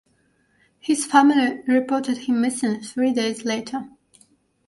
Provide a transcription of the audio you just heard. His family reported him missing three days later.